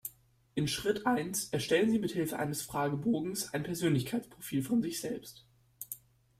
In Schritt eins erstellen Sie mithilfe eines Fragebogens ein Persönlichkeitsprofil von sich selbst.